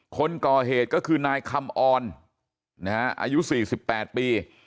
คนก่อเหตุก็คือนายคำออนอายุ๔๘ปี